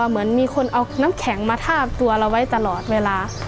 เหมือนมีคนเอาน้ำแข็งมาทาบตัวเราไว้ตลอดเวลา